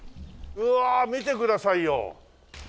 うわあ見てくださいよ！